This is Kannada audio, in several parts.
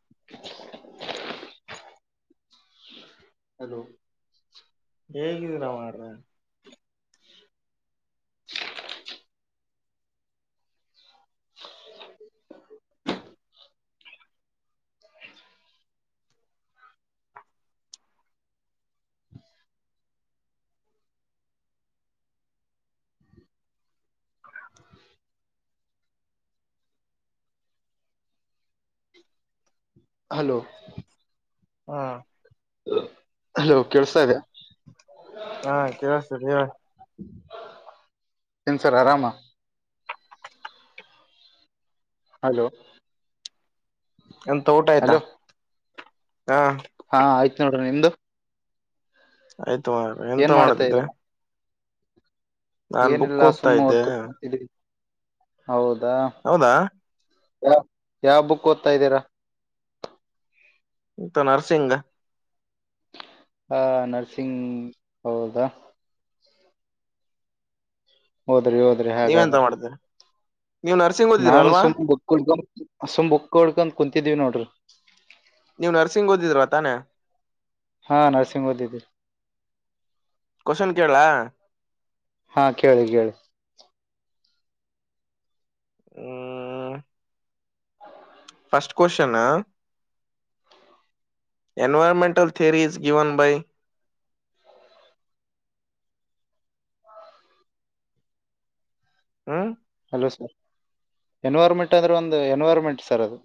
[inaudible] ಹಲೋ ಹೇಗಿದರಾರ [unintelligible] [inaudible] ಹಲೋ ಹಾ ಹಲೋ ಕೇಳ್ಸ್ತಾ ಇದೆ ಹಾ ಕೇಳುಸ್ತಾದ್ ಹೇಳ ಇನ್ ಸರ್ ಆರಾಮ ಹಲೋ ಎಂತ ಊಟ ಆಯ್ತಾ ಹಲೋ ಹಾ ಹಾ ಆಯ್ತ ನೋಡ್ರಿ ನಿಮ್ದು ಆಯ್ತು ಮ ಎಂತ ಏನ್ ಮಾಡ್ತಾ ಮಾಡ್ತಿದ್ದೆ ಇದೀರಾ ಬುಕ್ ಏನಿಲ್ಲ ಓದ್ತಾ ಸುಮ್ಮು ಇದ್ದೆ ಓದ್ಕೂತ ಕೂತಿದ್ದೆ ಹೌದಾ ಹೌದಾ ಯಾವ ಯಾವ ಬುಕ್ ಓದ್ತಾ ಇದ್ದೀರಾ ನರ್ಸಿಂಗ್ ಹ ನರ್ಸಿಂಗ್ ಹೌದಾ ಓದ್ರಿ ಓದ್ ನೀವೆ ಎಂತ ಮಾಡ್ತೀರ ನೀವು ನರ್ಸ ನಾ ಸುಮ್ ಬಕ್ಡ್ಕೊಂಡ ಸುಮ್ ಬಕ್ಕ ಉಡ್ಕಂತ ಕುಂತಿದೀವಿ ನೋಡ್ರಿ ನೀವು ನರ್ಸಿಂಗ್ ಓದಿದಿರ ತಾನೇ ಹಾಂ ನರ್ಸಿಂಗ್ ಓದಿದ್ದೀರಿ ಕೋಶನ್ ಕೇಳಾ ಹಾ ಕೇಳಿ ಕೇಳಿ ಹು first question environmental theory is given by ಹಾ ಹಲೋ ಸರ್ ಎನ್ವರಮೆಂಟ್ ಅಂದ್ರೆ ಒಂದು ಎನ್ವರಮೆಂಟ್ ಸರ್ ಅದು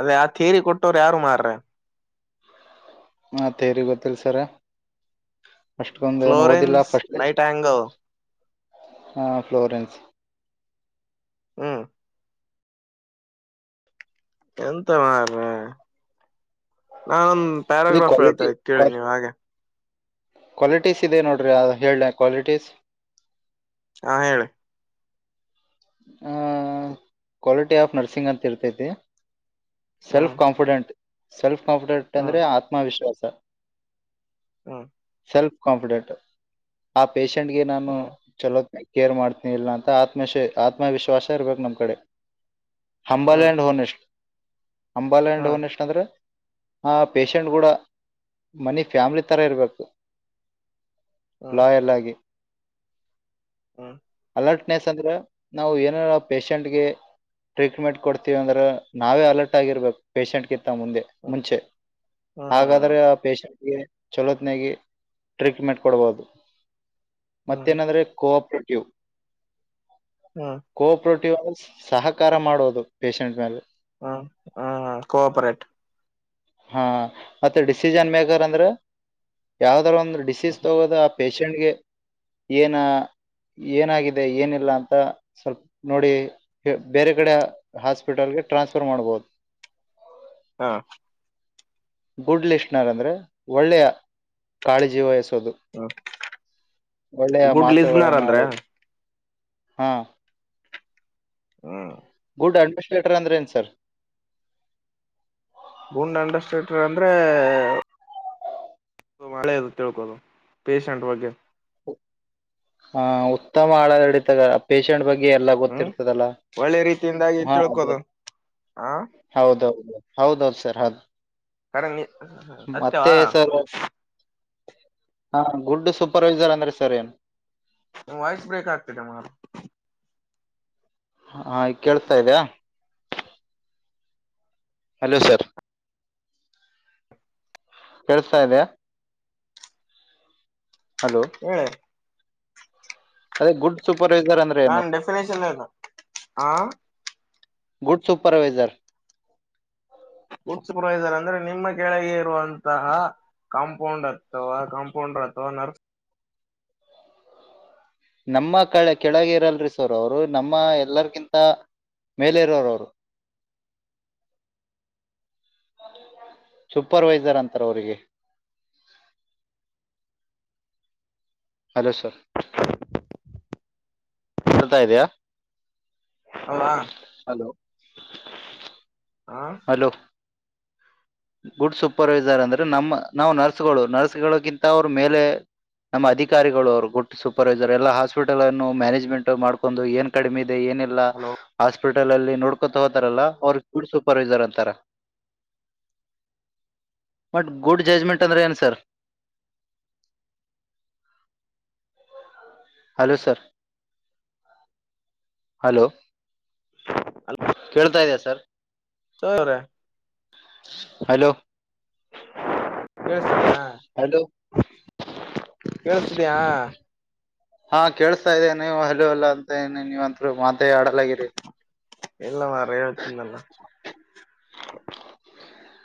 ಅದೇ ಆ ಥೇರಿ ಕೊಟ್ಟೋರು ಯಾರು ಮಾರ್ರ ಹಾ ತೇರಿ ಗೊತ್ತಿಲ್ಲ ಸರ್ ಅಸ್ಗೊಂದ ಏನು ಓದಿಲ್ಲ ಫ್ಲೋರೆನ್ಸ್ ಫಸ್ಟ್ ನೈಟ್ ಆಂಗಲ್ ಹಾ ಫ್ಲೋರೆನ್ಸ್ ಹಾ ಎಂತ ಮಾರರೆ ನಾನೊಂದ್ ಇದು ಪ್ಯಾರಾಗ್ರಾಫ್ ಹೇಳ್ತಾ ಕ್ವಾಲಿಟಿ ಕೇಳಿ ಕ್ವಾ ನೀವ ಹಾಗೆ ಕ್ವಾಲಿಟೀಸ್ ಇದೆ ನೋಡ್ರರಿ ಹೇಳಲೇ ಕ್ವಾಲಿಟೀಸ್ ಹಾ ಹೇಳಿ ಹ ಕ್ವಾಲಿಟಿ ಆಫ್ ನರ್ಸಿಂಗ್ ಅಂತ ಇರ್ತೈತಿ. Self hmm confident self confident hmm ಅಂದ್ರೆ ಆತ್ಮವಿಶ್ವಾಸ. ಹಾ ಸೆಲ್ಫ್ ಕಾನ್ಫಿಡೆಂಟ್ ಆ ಪೇಶಂಟ್ಗೆ ನಾನು. ಹ್ಮ್ ಚಲೋ ಕೇರ್ ಮಾಡ್ತೀನಿ ಇಲ್ಲ ಅಂತ ಆತ್ಮಶ ಆತ್ಮವಿಶ್ವಾಶ ಇರ್ಬೇಕು ನಮ್ ಕಡೆ. ಹ್ಮ್ ಹಂಬಲ್ಯಂಡ್ ಹೋನ್ ಎಷ್ಟ್ ಹಂಬಲ್ಯಂಡ್ ಹ್ಮ್ ಹೋನ್ ಎಷ್ಟ್ ಅಂದ್ರೆ. ಅ ಪಷೆಂಟ್ ಕೂಡ ಮನಿ ಫ್ಯಾಮಿಲಿ ತರ ಇರಬೇಕು. ಹ್ಮ್ ಹ್ಮ್ ಲಾಯಲ್ ಆಗಿ. ಹ್ಮ ಅಲರ್ಟ್ನೆಸ್ ಅಂದ್ರೆ ನಾವು ಏನರ ಪಷೆಂಟ್ಗೆ. ಟ್ರೀಟ್ಮೆಂಟ್ ಕೊಡ್ತೀವಿ ಅಂದ್ರೆ ನಾವೇ ಅಲರ್ಟ್ ಆಗಿರ್ಬೇಕು ಪೇಶಷೆಂಟ್ಗಿಂತ ಮುಂದೆ. ಹ್ಮ್ ಮುಂಚೆ ಅಗಾದ್ ಆದ್ರೆ ಆ ಪೇಶೆಂಟ್ ಗೆ ಚಲೋತ್ನಾಗಿ ಟ್ರೀಟ್ಮೆಂಟ್ ಕೊಡಬಹುದು. ಹ್ಮ್ ಹ್ಮ್ ಮತ್ತೇನಂದ್ರೆ ಕೋಆಪ್ರೇಟಿವ್. ಹ್ಮ ಕೋಪ್ರೋಟಿವಲ್ಸ್ ಸಹಕಾರ ಮಾಡೋದು ಪೇಷಂಟ್ ಮ್ಯಾಲೆ. ಹ್ಮ ಹ್ಮ್ ಹ್ಮ ಕೋಆಪರೇಟ್. ಹಾ ಮತ್ತೆ ಡಿಸಿಜನ್ ಮೇಕರ್ ಅಂದ್ರೆ ಯಾವ್ದಾರ ಒಂದು ಡಿಸೀಸ್ ತಗೋದ. ಪೇಶೆಂಟ್ಗೆ ಏನ. ಏನಾಗಿದೆ ಏನಿಲ್ಲ ಅಂತ ಸ್ವಲ್ಪ ನೋಡಿ. ಬೇರೆ ಕಡೆ ಹಾಸ್ಪಿಟಲ್ಗೆ ಟ್ರಾನ್ಸ್ಫರ್ ಮಾಡ್ಬಹದು. ಹಾ ಗುಡ್ ಲಿಸ್ನರ್ ಅಂದ್ರೆ ಒಳ್ಳೆಯ ಕಾಳಜಿ ವಹಿಸೋದು. ಒಳ್ಳೆಯ ಗುಡ್ ಲಿಸ್ನರ್ ಅಂದ್ರೆ ಮಾತುಗಳನ್ನಾಡೊದು. ಹಾಂ ಹ್ಮ ಗುಡ್ ಅಂಡರ್ಸ್ಟೇಟರ್ ಅಂದರೇನ್ ಸರ್. ಗುಡ್ ಅಂಡಸ್ಟ್ರೇಟರ್ ಅಂದ್ರೆ. ಮಳೆ ಅದು ತಿಳ್ಕೋದು ಪೇಷಂಟ್ ಬಗ್ಗೆ. ಹ ಹ ಉತ್ತಮ ಆಡಳಿತಗಾರ. ಪೇಶೆಂಟ್ ಬಗ್ಗೆ ಎಲ್ಲ ಹ್ಮ್ ಗೊತ್ತಿರ್ತದಲ್ಲ ಒಳ್ಳೆ ರೀತಿಯಿಂದಾಗಿ ಹಾ ಅದೇ. ತಿಳ್ಕೋದು ಹ ಹೌದೌದು ಹೌದೌದು ಸರ್ ಹೌದು. ಕರಣಿ ಮತ್ತೆ ಸತ್ಯವಾ. ಸರ್ ಹಾ ಗುಡ್ ಸೂಪರ್ವೈಸರ್ ಅಂದ್ರೆ ಸರ್ ಏನು. ವಾಯ್ಸ್ ಬ್ರೇಕ್ ಆಗ್ತಿದೆ ಮರ. ಹ ಹ ಈಗ್ ಕೇಳ್ಸತಾ ಇದೆಯಾ. ಹಲೋ ಸರ್ ಕೇಳಿಸ್ತಾ ಇದೆಯಾ. ಹಲೋ ಹೇಳಿ. ಅದೇ ಗುಡ್ ಸೂಪರ್ವೈಸರ್ ಅಂದ್ರೆ ಏನು. ನಾನ್ ಡೆಫಿನೇಷನ್ ಹೇಳ್ದೆ ಆ ಗುಡ್ ಸೂಪರ್ವೈಸರ್. ಗುಡ್ ಸುಪರ್ವೈಸರ್ ಅಂದ್ರೆ ನಿಮ್ಮ ಕೆಳಗೆ ಇರುವಂತಹ. ಕಾಂಪೌಂಡರ್ ಅಥವಾ ಕಾಂಪೌಂಡರ್ ಅಥವಾ ನರ್ಸ್. ನಮ್ಮ ಕೆಳ ಕೆಳಗ ಇರಲ್ರಿ ಸರ್ ಅವ್ರು ನಮ್ಮ ಎಲ್ಲರ್ಗಿಂತ ಮೇಲೆ ಇರೋರ್ ಅವ್ರು ಸೂಪರ್ವೈಸರ್ ಅಂತಾರ ಅವ್ರಿಗೆ ಹಲೋ ಸರ್ ಕೇಳ್ತಾ ಇದಯಾ ಹೌದಾ ಹಲೋ ಹಾ ಹಲೋ ಗುಡ್ ಸೂಪರ್ವೈಸರ್ ಅಂದ್ರೆ ನಮ್ಮ ನಾವು ನರ್ಸ್ಗಳು ನರ್ಸ್ಗಳಗಿಂತ ಅವ್ರ ಮೇಲೆ ನಮ್ಮ ಅಧಿಕಾರಿಗಳು ಅವರು ಗುಡಸೂಪರ್ವೈಸರ್ ಎಲ್ಲಾ ಹಾಸ್ಪಿಟಲ್ ಅನ್ನು ಮ್ಯಾನೇಜ್ಮೆಂಟ್ ಮಾಡ್ಕೊಂಡು ಏನ್ ಕಡಿಮೆ ಇದೆ ಏನೆಲ್ಲಾ ಹಲೋ ಹಾಸ್ಪಿಟಲ್ ಅಲ್ಲಿ ನೋಡ್ಕೊತ ಹೋತಾರಲ್ಲ ಅವ್ರ ಗುಡ್ ಸೂಪರ್ವೈಸರ್ ಅಂತಾರ ಬಟ್ ಗುಡ್ ಜಜ್ಮೆಂಟ್ ಅಂದ್ರೆ ಏನು ಸರ್ ಹಲೋ ಸರ್ ಹಲೋ ಕೇಳ್ತಾ ಇದೆಯಾ ಸರ್ [unintelligible] ಹಲೋ ಕೇಳಸತೀದೇಯಾ ಹಲೋ ಕೇಳಿಸ್ತಿದೆಯಾ ಹಾ ಕೇಸ್ತಾ ಇದೆ ನೀವು ಹಲೋ ಎಲ್ಲ ಅಂತ ನೀವಂತರು ಮಾತ ಆಡಲಾಗಿಿರಿ ಇಲ್ಲ ಮಾರಾಯ ಹೇಳ್ತನಲ್ಲ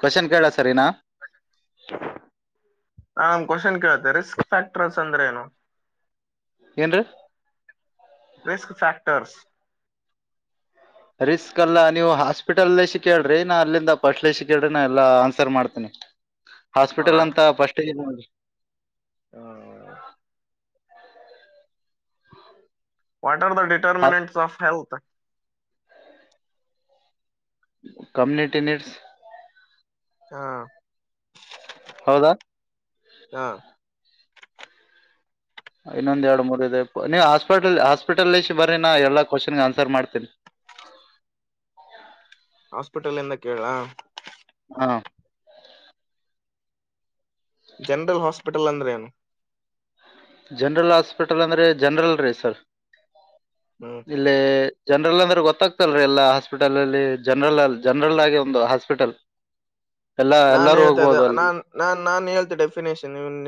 ಕೋಶ್ನ್ ಕೇಳ ಸರಿನಾ ನಾ ನಾ ಕೋಶ್ಚನ್ ಕೇಳುತ್ತೆ ರಿಸ್ಕ್ ಫ್ಯಾಕ್ಟರ್ ಅಂದ್ರೆ ಏನು ಏನ್ರೀ ರಿಸ್ಕ್ ಫ್ಯಾಕ್ಟರ್ಸ್ ರಿಸ್ಕ್ ಅಲ್ಲ ನೀವು ಹಾಸ್ಪಿಟಲ್ ಸಿ ಕೇಳ್ರಿ ನಾ ಅಲ್ಲಿಂದ ಪಸ್ಲ ಸಿ ಕೇಳ್ರಿ ನಾ ಎಲ್ಲಾ ಆನ್ಸರ್ ಮಾಡ್ತೇನಿ [inaudible] ಹಾಸ್ಪಿಟಲ್ ಅಂತ ಫಸ್ಟ್ರಿ ಹಾ what are the determinants of health community needs ಹಾ ಹೌದಾ ಹಾ ಇನ್ನೊಂದ ಎರಡು ಮೂರ್ ಇದೆ ನೀವು ಹಾಸ್ಪಿಟಲ್ ಹಾಸ್ಪಿಟಲ್ ಬರರಿ ನಾ ಎಲ್ಲ ಕೋಶನ್ಗೆ ಆನ್ಸರ್ ಮಾಡ್ತೀನಿ ಹಾಸ್ಪಿಟಲ್ ಎಂದ ಕೇಳಾ ಹಾ ಜನರಲ್ ಹಾಸ್ಪಿಟಲ್ ಅಂದ್ರೆ ಏನು ಜನರಲ್ ಹಾಸ್ಪಿಟಲ್ ಅಂದ್ರೆ ಜನರಲ್ ರೀ ಸರ್ ಹ್ಮ್ ಇಲ್ಲಿ ಜನರಲ್ ಅಂದ್ರೆ ಗೊತ್ತಾಗ್ತಲ್ರರಿ ಎಲ್ಲಾ ಹಾಸ್ಪಿಟಲ್ನಲ್ಲಿ ಜನರಲ್ ಅಲ್ಲಿ ಜನರಲ್ ಆಗಿ ಒಂದು ಹಾಸ್ಪಿಟಲ್ ಎಲ್ಲಾ ನಾನ್ ಎಲ್ಲಾರು ಹೇಳ್ತಾ ಇದ್ದ ಹೋಗ್ಬೋದು ಅಲ್ಲಿ ನಾನ್ ನಾನ್ ನಾನ್ ಹೇಳ್ತೆ ಡೆಫಿನೇೇಶನ್ ಇವನ್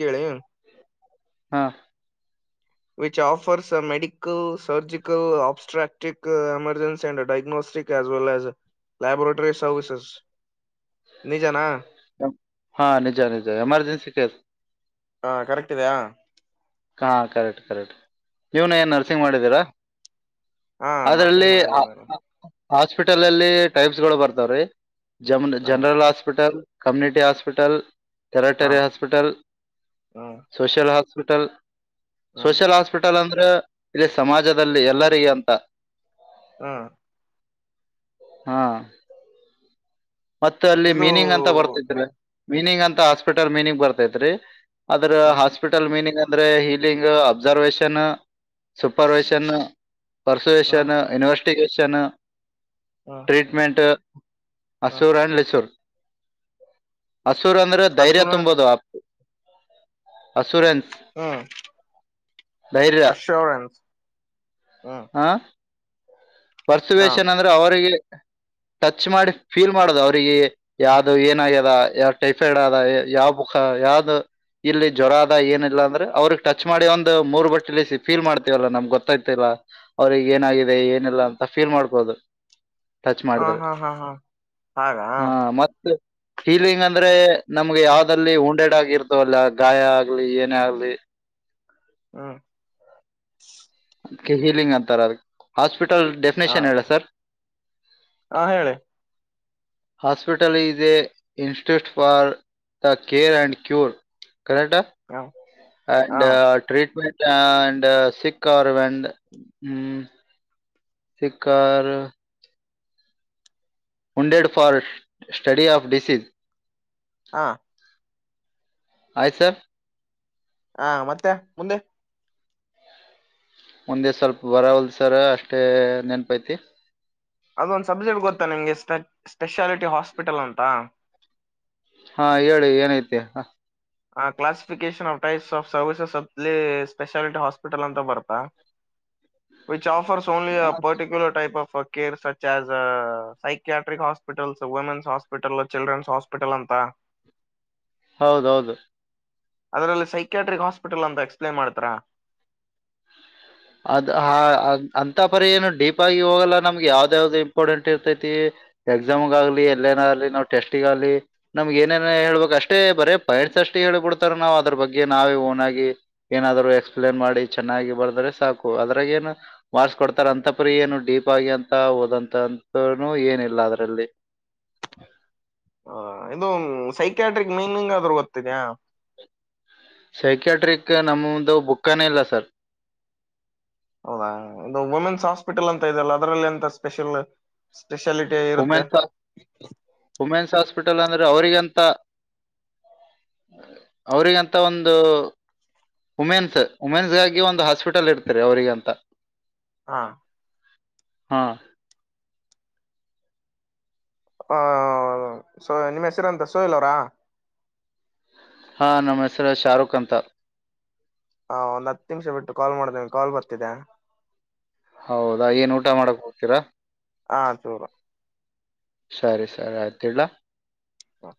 ಕೇಳಿ ಹಾಂ which offers medical surgical obstetric emergency and diagnostic casual ಲ್ಯಾಜ ಲ್ಯಾಬ್ [unintelligible] ಸರ್ವಿಸಸ್ ನಿಜಾನಾ. ಹಾ ನಿಜಾ ನಿಜಾ ಎಮರ್ಜೆನ್ಸಿ ಟೇಜ್. ಹಾ ಕರೆಕ್ಟ್ ಇದೆಯಾ. ಹಾ ಕರೆಟ್ ಕರೆಟ್ ನಿವ್ನ ಏನ್ ನರ್ಸಿಂಗ್ ಮಾಡಿದೀರಾ. ಹಾ ನರ್ಸಿಂಗ್ ಅದ್ರಲ್ಲಿ ಮಾಡಿದೆ ಅ ಅ. ಹಾಸ್ಪಿಟಲಲ್ಲಿ ಟೈಪ್ಸ್ ಗಳು ಬರ್ತಾವ್ರೀ ಜಮ [unintelligible] ನಾನು ಜನರಲ್ ಹಾಸ್ಪಿಟಲ್. ಕಮ್ಯುನಿಟಿ ಹಾಸ್ಪಿಟಲ್ ಹಾ ಟೆರಟರಿ ಹಾಸ್ಪಿಟಲ್ ಹಾ ಹಾ ಸೋಷಲ್ ಹಾಸ್ಪಿಟಲ್. ಹಾ ಸೋಷಲ್ ಹಾಸ್ಪಿಟಲ್ ಅಂದ್ರ ಇಲ್ಲಿ ಸಮಾಜದಲ್ಲಿ ಎಲ್ಲರಿಗ ಅಂತ. ಹಅ ಹ ಮತ್ತ ಅಲ್ಲಿ ಇದು ಮೀನಿಂಗ್ ಅಂತ ಬರ್ತೈತ್ರಿ ಮೀನಿಂಗ್ ಅಂತ ಹಾಸ್ಪಿಟಲ್ ಮೀನಿಂಗ್ ಬರ್ತೈತ್ರಿ. ಅದ್ರ ಹ್ಮ್ ಹಾಸ್ಪಿಟಲ್ ಮೀನಿಂಗ್. ಅಂದ್ರೆ ಹೀಲಿಂಗ್ ಅಬ್ಸರ್ವೇಷನ್ ಸುಪರ್ವೇಷನ್. ಹ್ಮ್ ಪರ್ಸುವೇಷನ್ ಇನ್ವೆಸ್ಟಿಗೆಷನು. ಹಾ ಟ್ರೀಟ್ಮೆಂಟು ಅಸೂರ್ ಅಂಡ್ ಲಿಸುರ್. ಅಸುರ ಅಂದ್ರ ಧೈರ್ಯ ಹಸುನ ತುಂಬೋದು ಅಸೂರೆನ್ಸ. ಹ್ಮ್ ಅಶೋರೆನ್ಸ್ ಹ್ಮ್. ಹಾ ಹಾ ಪರ್ಸುವೇೇಶನ್ ಅಂದ್ರ ಅವ್ರಿಗೆ ಟಚ್ ಮಾಡಿ ಫೀಲ್ ಮಾಡೋದು ಅವ್ರಿಗಿ. ಯಾವ್ದು ಏನ ಆಗ್ಯದ ಯಾವ್ ಟೈಫೈಡ್ ಆದ ಯಾವ ಬುಖ ಯಾವ್ದ. ಇಲ್ಲಿ ಜ್ವರ ಆದ ಏನಿಲ್ಲ ಅಂದ್ರೆ ಅವ್ರಿಗ್ ಟಚ್ ಮಾಡಿ ಒಂದ್ ಮೂರು ಬಟ್ಟಿ ಇಳಿಸಿ ಫೀಲ್ ಮಾಡ್ತೀವಲ್ಲ ನಮ್ಗ್ ಗೊತ್ತಾಯ್ತ ಇಲ್ಲ. ಅವ್ರಿಗೆ ಏನಾಗಿದೆ ಏನಿಲ್ಲ ಅಂತ ಫೀಲ್ ಮಾಡ್ಬೋದು. ಟಚ್ ಹಾ ಮಾಡದ್ರ ಹಾ ಹಾ ಹಾ ಹಾಗಾ ಹಾ ಮತ್. ಪೀಲಿಂಗ್ ಅಂದ್ರೆ ನಮ್ಗೆ ಯಾವ್ದಲ್ಲಿ ಉಂಡೆಡ್ ಆಗಿರ್ತವಲ್ಲ ಗಾಯ ಆಗ್ಲಿ ಏನೇ ಆಗ್ಲಿ. ಹ್ಮ್ಮ್ ಅದ್ಕ್ಕೆ ಹೀಲಿಂಗ್ ಅಂತಾರದಕ್ ಹಾಸ್ಪಿಟಲ್ ಹಾ ಡೆಫನೇಷನ್ ಹೇಳ ಸರ್. ಹಾ ಹೇಳಿ. Hospital easy institute for the care and cure. ಕರೇಟ್ ಹಾ ಹಾ ಅಂಡ್ ಟ್ರೀಟ್ಮೆಂಟ್ ಅಂಡ್ ಸಿಕ್ ಆರ್ಬೆಂಡ್ ಹ್ಮ. Sick or wounded for study of disease. ಹಾ ಆಯ್ತ ಸರ್. ಹಾ ಮತ್ತೆ ಮುಂದೆ. ಮುಂದೆ ಸ್ವಲ್ಪ ಬರವಲ್ದ ಸರ ಅಷ್ಟೇ ನೆನಪೈತಿ. ಅದೊಂದ್ ಸಬ್ಜೆಕ್ಟ್ ಗೊತ್ತಾ ನಿಂಗೆ ಸ್ಪೆಟ್ ಸ್ಪೆಷಾಲಿಟಿ ಹಾಸ್ಪಿಟಲ್ ಅಂತ. ಹಾ ಹೇಳಿ ಏನೈತಿ ಹಾ ಆ classification of types of services [unintelligible] ಅಲ್ಲಿ ಸ್ಪೆಷಲಿಟ್ ಹಾಸ್ಪಿಲ್ ಅಂತ ಬರ್ತಾ. Which offers only particular type of care such as psychiatric hospital women's hospital children's hospital ಅಂತ. ಹೌದೌದು ಅದರಲ್ಲಿ ಸೈಕ್ಯಾಟ್ರಿಕ್ ಹಾಸ್ಪಿಟಲ್ ಅಂತ ಎಕ್ಸ್ಪ್ಲಾನ್ ಮಾಡ್ತೀರಾ. ಅದ್ ಹ ಅಂತ ಪರಿ ಏನ ಡೀಪ್ ಆಗಿ ಹೋಗಲ್ಲ ನಮ್ಗ ಯಾವ್ದ ಯಾವ್ದ ಇಂಪಾರ್ಟೆಂಟ್ ಇರ್ತೈತಿ. ಎಕ್ಸಾಮ್ ಗಾಗ್ಲಿ ಎಲ್ಲೆನ ಆಗ್ಲಿ ನಾವ ಟೇಸ್ಟಿಗಾಲಿ ನಮ್ಗ ಏನೇನ ಹೇಳ್ಬೇಕ ಅಷ್ಟೇ ಬರೇ ಪೈಡ್ಸ ಅಷ್ಟೇ ಹೇಳಿ ಕೋಡ್ತಾರ ನಾವ ಅದ್ರ ಬಗ್ಗೆ ನಾವೇ ಓನ್ ಆಗಿ ಏನಾದ್ರು ಎಕ್ಸ್ಪ್ಲೇನ್ ಮಾಡಿ ಚೆನ್ನಾಗಿ ಬದ್ರೆ ಸಾಕು ಅದ್ರಾಗ ಏನ. ವರ್ಸ ಕೊಡ್ತಾರ ಅಂತ ಪರಿ ಏನು ಡೀಪ್ ಆಗಿ ಅಂತ ಓದಂತದುನು ಏನಿಲ್ಲ ಅದ್ರಲ್ಲಿ. ಹ ಇದು ಸೈಕ್ಯಾಟ್ರಿಕ್ ಮೀನಿಂಗ್ ಆದ್ರೂ ಗೊತ್ತಿದೆಯಾ. ಸೈಕ್ಯಾಟ್ರಿಕ್ ನಮ್ಮದು ಬುಕ್ಕನೇ ಇಲ್ಲ ಸರ್. ಹೌದಾ ಇದು ವುಮೆನ್ಸ್ ಹಾಸ್ಪಿಟಲ್ ಅಂತ ಇದೆಲ್ಲ ಅದರಲ್ಲಿ ಎಂತ ಸ್ಪೆಷಲ್. ಸ್ಪೆಷಾಲಿಟಿ ಇರತ್ತೆ. ವುಮೆನ್ಸ್ ವುಮೆನ್ಸ್ ಹಾಸ್ಪಿಟಲ್ ಅಂದ್ರೆ ಅವ್ರರಿಗಂತ ಅವರಿಗಂತ ಒಂದು ವುಮೆನ್ಸ್ ವುಮೆನ್ಸ್ಗಾಗಿ ಒಂದ ಹಾಸ್ಪಿಟಲ್ ಇರ್ತರಿ ಅವ್ರರಿಗ ಅಂತ ಹಾ ಹಾ ಆ ಸೊ ನಿಮ್ಮ ಹೆಸರ ಅಂತ ಸೋಹಿಲ್ ಅವರಾ. ಹಾ ನಮ್ಮ ಹೆಸರ ಶಾರುಖ್ ಅಂತ. ಹಾ ಒಂದ ಹತ್ತು ನಿಮಿಷ ಬಿಟ್ಟ ಕಾಲ್ ಮಾಡ್ತಿನ ಕಾಲ್ ಬರ್ತಿದೆ. ಹೌದಾ ಏನ್ ಊಟ ಮಾಡಕ ಹೋಗ್ತೀರಾ. ಆ ಸರಿ ಸರಿ ಆಯ್ತ ಇಡ್ಲ ಹಾ